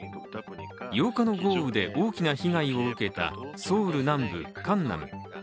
８日の豪雨で大きな被害を受けたソウル南部江南。